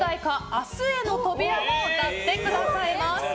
「明日への扉」を歌ってくださいます。